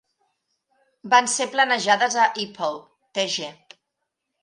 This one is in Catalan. Van ser planejades a Ipoh, Tg.